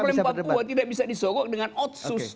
problem papua tidak bisa disogok dengan otsus